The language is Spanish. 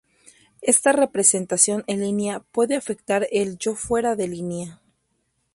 Esta representación en línea puede afectar el yo fuera de línea.